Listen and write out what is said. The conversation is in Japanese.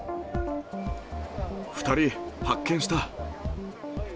２人発見した。